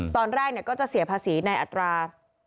ตอนแรกก็จะเสียภาษีในอัตรา